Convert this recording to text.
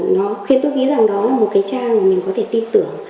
nó khiến tôi nghĩ rằng đó là một cái trang mà mình có thể tin tưởng